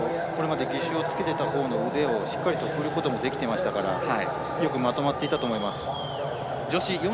しっかりとこれまで義手をつけてたほうの腕をしっかり振ることもできていましたからよくまとまっていたと思います。